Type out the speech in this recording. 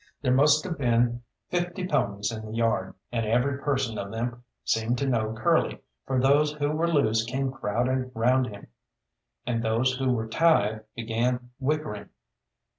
There must have been fifty ponies in the yard, and every person of them seemed to know Curly, for those who were loose came crowding round him, and those who were tied began whickering.